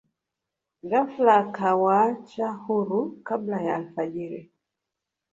ghafla akawaacha huru kabla ya alfajiri